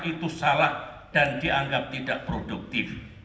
itu salah dan dianggap tidak produktif